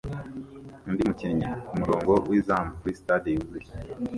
undi mukinnyi kumurongo wizamu kuri stade yuzuye